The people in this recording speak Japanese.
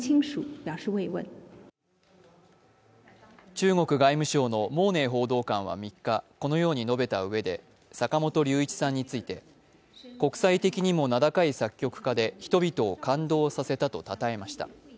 中国外務省の毛寧報道官は３日、このように述べたうえで坂本龍一さんについて、国際的にも名高い作曲家で人々を感動させたとたたえました。